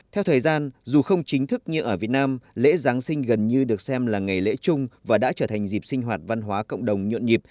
theo thời gian dù không chính thức như ở việt nam lễ giáng sinh gần như được xem là ngày lễ chung và đã trở thành dịp sinh hoạt văn hóa cộng đồng nhuộn nhịp